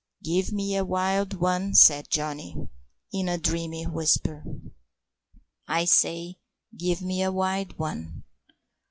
"Give me a wild one," said Johnny, in a dreamy whisper; "I say, give me a wild one."